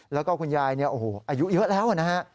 แล้วก็คุณยายอายุเยอะแล้วนะฮะ